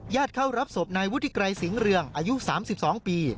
ญาติเข้ารับศพในวุฒิไกรสิงห์เรืองอายุสามสิบสองปี